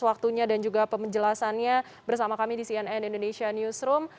waktunya dan juga penjelasannya bersama kami di cnn indonesia newsroom